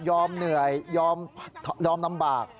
เหนื่อยยอมลำบาก